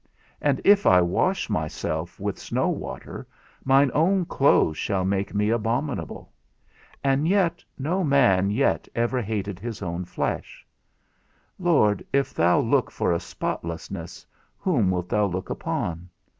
And if I wash myself with snow water, mine own clothes shall make me abominable; and yet no man yet ever hated his own flesh. Lord, if thou look for a spotlessness, whom wilt thou look upon?